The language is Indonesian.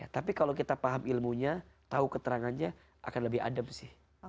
tapi kalau kita paham ilmunya tahu keterangannya akan lebih adem sih